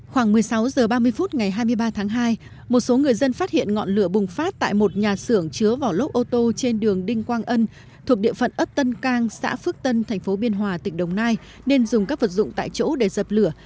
khoảng một mươi sáu h ba mươi phút ngày hai mươi ba tháng hai một số người dân phát hiện ngọn lửa bùng phát tại một nhà xưởng chứa vỏ lốc ô tô trên đường đinh quang ân thuộc địa phận ấp tân cang xã phước tân thành phố biên hòa tỉnh đồng nai nên dùng các vật dụng tại chỗ để dập lửa